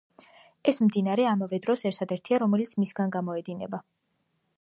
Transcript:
ეს მდინარე ამავე დროს ერთადერთია, რომელიც მისგან გამოედინება.